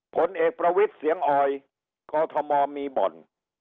ผลเอกประวิทย์เสียงออยกอทมมีบ่อน